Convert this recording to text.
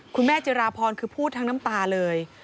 จิราพรคือพูดทั้งน้ำตาเลย